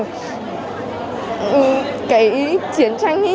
đấy chiến tranh ấy